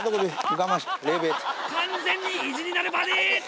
完全に意地になるバディ。